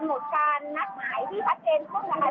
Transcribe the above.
คุณสิริวัลบอกว่าแจ้งกำหนดการนัดสายที่ประเทศฮุ่มธรรมดา